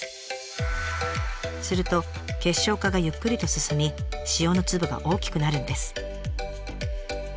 すると結晶化がゆっくりと進み塩の粒が大きくなるんです。